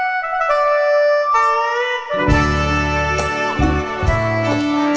มีแข่งขันขันของลูกเองนะฮะ